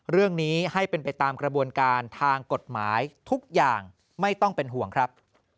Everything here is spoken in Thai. เรื่องนี้ให้เป็นไปตามกระบวนการทางกฎหมายทุกอย่างไม่ต้องเป็นห่วงครับ